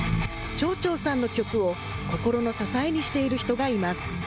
チョーチョーさんの曲を心の支えにしている人がいます。